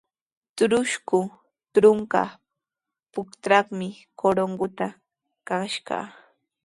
Trusku trunka puntrawmi Corongotraw kashaq.